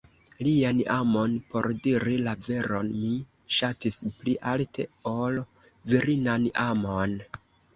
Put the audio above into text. Lian amon por diri la veron mi ŝatis pli alte, ol virinan amon.